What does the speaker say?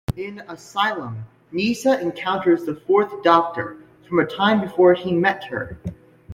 In "Asylum", Nyssa encounters the Fourth Doctor from a time before he met her.